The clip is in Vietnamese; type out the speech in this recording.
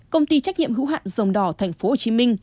công ty trách nhiệm hữu hạn dòng đỏ tp hcm